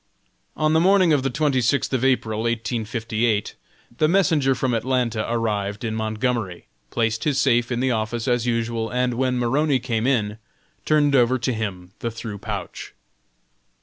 On the morning of the twenty sixth of April, 1858, the messenger from Atlanta arrived in Montgomery, placed his safe in the office as usual, and when Maroney came in, turned over to him the through pouch.